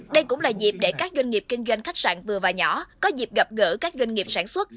đây cũng là dịp để các doanh nghiệp kinh doanh khách sạn vừa và nhỏ có dịp gặp gỡ các doanh nghiệp sản xuất